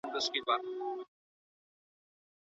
د ستونزو حل کول یو مهم ذهني مهارت دی.